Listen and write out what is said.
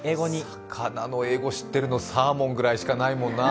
魚の英語、知ってるのサーモンしかないもんな。